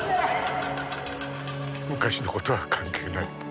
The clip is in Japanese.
昔の事は関係ない。